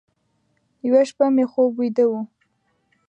یوه شپه مې خوب ویده و،